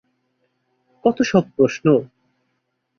কত সব প্রশ্ন!